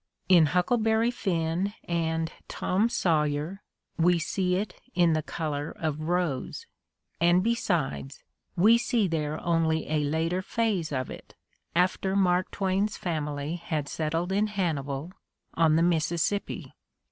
In "Huckleberry Finn" and "Tom Sawyer" we see it in the color of rose; and besides, we see there only a later phase of it, after Mark Twain's family had settled in Hannibal, on the Mississippi.